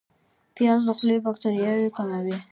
پیاز د خولې باکتریاوې کموي